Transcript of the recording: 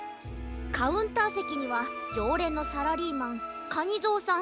カウンターせきにはじょうれんのサラリーマンカニゾウさん